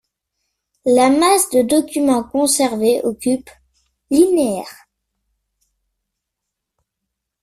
La masse de documents conservés occupe linéaires.